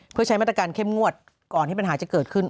เพื่อใช้มาตรการเข้มงวดก่อนที่ปัญหาจะเกิดขึ้น